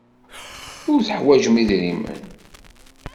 Ur teḥwajem idrimen.